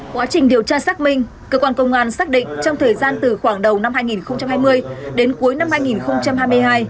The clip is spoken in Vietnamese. quá trình điều tra xác minh cơ quan công an xác định trong thời gian từ khoảng đầu năm hai nghìn hai mươi đến cuối năm hai nghìn hai mươi hai